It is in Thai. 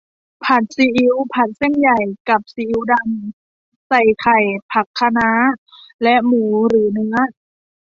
ผัดซีอิ๊ว ผัดเส้นใหญ่กับซีอิ๊วดำ ใส่ไข่ ผักคะน้า และหมูหรือเนื้อ